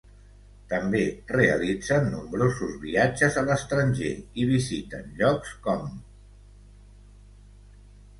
També realitzen nombrosos viatges a l'estranger i visiten llocs com: